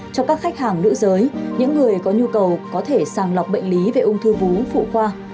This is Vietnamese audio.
cho các khách hàng nữ giới những người có nhu cầu có thể sàng lọc bệnh lý về ung thư vú phụ khoa